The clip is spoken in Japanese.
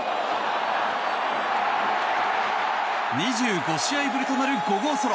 ２５試合ぶりとなる５号ソロ。